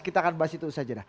kita akan bahas itu saja